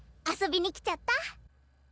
遊びに来ちゃった！